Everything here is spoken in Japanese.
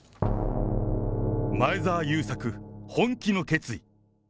前澤友作、本気の決意。